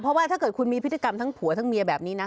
เพราะว่าถ้าเกิดคุณมีพฤติกรรมทั้งผัวทั้งเมียแบบนี้นะ